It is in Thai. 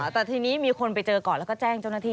แต่ทีนี้มีคนไปเจอก่อนแล้วก็แจ้งเจ้าหน้าที่